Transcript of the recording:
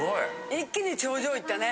一気に頂上行ったね。